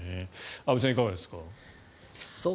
安部さん、いかがですか。